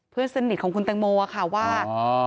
เพื่อนสนิทของคุณแตงโมค่ะว่า